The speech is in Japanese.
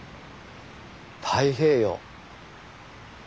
太平洋。